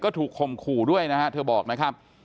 ถูกคมขู่ด้วยนะฮะเธอบอกนะครับ